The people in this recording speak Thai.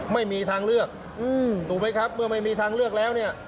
ไม่มีทางเลือกถูกไหมครับเมื่อไม่มีทางเลือกแล้วเนี่ย